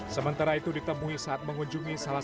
saya sendiri nggak tahu